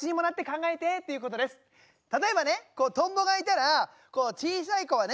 例えばねトンボがいたらこう小さい子はね